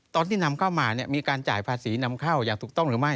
ตอนที่นำเข้ามามีการจ่ายภาษีนำเข้าอย่างถูกต้องหรือไม่